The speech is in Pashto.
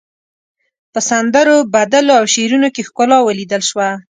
په سندرو، بدلو او شعرونو کې ښکلا وليدل شوه.